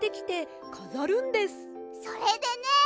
それでね